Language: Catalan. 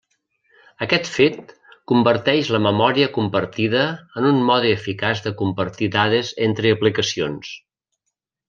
Aquest fet converteix la memòria compartida en un mode eficaç de compartir dades entre aplicacions.